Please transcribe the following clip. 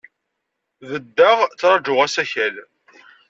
Beddeɣ, ttṛajuɣ asakal.